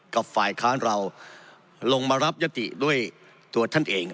กับฝ่ายค้านเราลงมารับยติด้วยตัวท่านเอง